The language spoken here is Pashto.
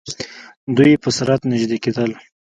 دوئ په سرعت نژدې کېدل.